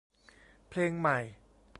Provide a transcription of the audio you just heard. เพลงใหม่